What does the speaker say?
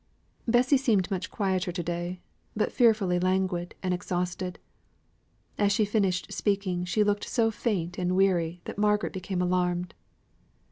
Bessy seemed much quieter to day, but fearfully languid and exhausted. As she finished speaking, she looked so faint and weary that Margaret became alarmed.